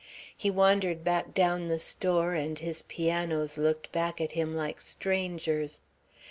He wandered back down the store and his pianos looked back at him like strangers.